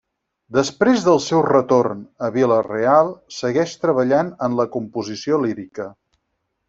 Després del seu retorn a Vila-real segueix treballant en la composició lírica.